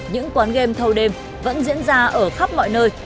những quán game thâu đêm vẫn diễn ra ở khắp mọi nơi